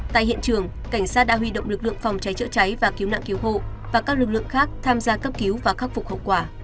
tại hiện trường cảnh sát đã huy động lực lượng phòng cháy chữa cháy và cứu nạn cứu hộ và các lực lượng khác tham gia cấp cứu và khắc phục hậu quả